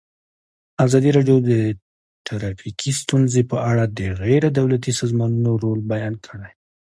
ازادي راډیو د ټرافیکي ستونزې په اړه د غیر دولتي سازمانونو رول بیان کړی.